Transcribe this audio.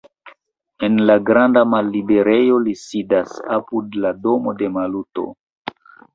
En la granda malliberejo li sidas, apud la domo de Maluto.